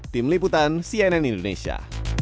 tim liputan cnn indonesia